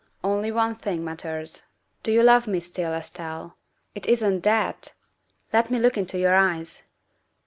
Only one thing matters. Do you love me still, Estelle it isn't that? Let me look into your eyes."